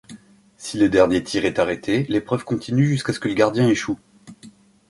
Si le dernier tir est arrêté, l’épreuve continue jusqu'à ce que le gardien échoue.